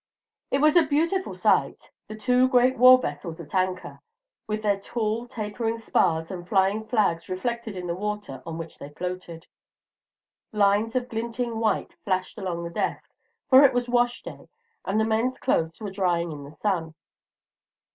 It was a beautiful sight, the two great war vessels at anchor, with their tall tapering spars and flying flags reflected in the water on which they floated. Lines of glinting white flashed along the decks; for it was "wash day," and the men's clothes were drying in the sun.